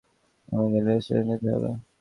তোমাকে রেলস্টেশনে যেতে হবে।